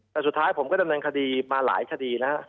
แต่สุดท้ายผมก็ดำเนินคดีมาหลายคดีนะฮะ